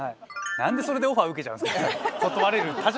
何でそれでオファー受けちゃうんですか。